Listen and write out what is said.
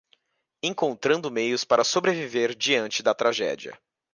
Encontrando meios para sobreviver diante da tragédia